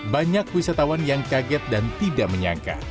banyak wisatawan yang kaget dan tidak menyangka